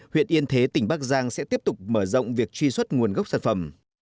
huyện yên thế tỉnh bắc giang sẽ tiếp tục mở rộng việc truy xuất nguồn gốc sản phẩm